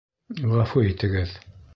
Ғәфү итегеҙ...